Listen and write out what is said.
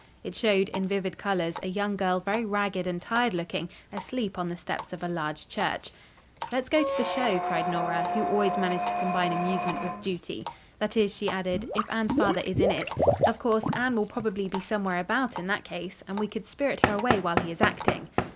It showed, in vivid colors, a young girl very ragged and tired looking, asleep on the steps of a large church. "Let's go to the show," cried Nora, who always managed to combine amusement with duty; "that is," she added, "if Anne's father is in it. Of course, Anne will probably be somewhere about, in that case, and we could spirit her away while he is acting."